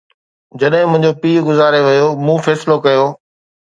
جڏهن منهنجو پيءُ گذاري ويو، مون فيصلو ڪيو